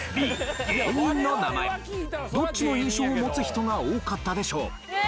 どっちの印象を持つ人が多かったでしょう？